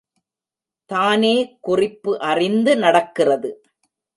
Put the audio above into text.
தானே குறிப்பு அறிந்து நடக்கிறது.